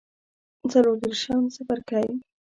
څلور دیرشم څپرکی